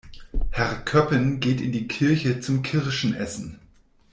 Herr Köppen geht in die Kirche zum Kirschen essen.